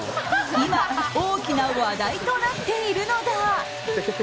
今、大きな話題となっているのだ。